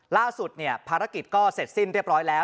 ล่าสุดภารกิจก็เสร็จสิ้นเรียบร้อยแล้ว